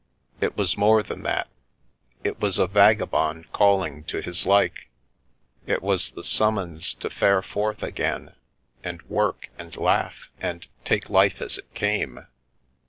It was more than that, it was a vagabond calling to his like; it was the summons to fare forth again, and work and laugh and take life as it came.